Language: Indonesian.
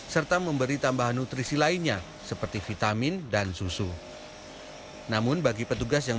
serta memberi tambahan nutrisi lainnya seperti vitamin dan susu namun bagi petugas yang